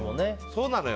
そうなのよ。